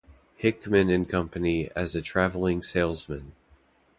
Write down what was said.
Hickman and Company as a travelling salesman.